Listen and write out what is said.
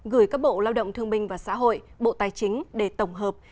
gửi các bộ lao động thương minh và xã hội bộ tài chính để tổng hợp